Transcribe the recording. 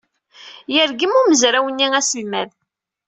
Yergem umezraw-nni aselmad.